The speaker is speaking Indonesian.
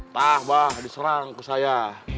nah abah diserang ke saya